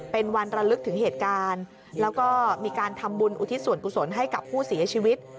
เป็นวันระลึกถึงเหตุการณ์แล้วก็มีการทำบุญอุทิศส่วนกุศลให้กับผู้เสียชีวิต